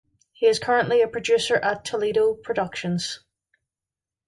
He is currently a producer at Toledo Productions.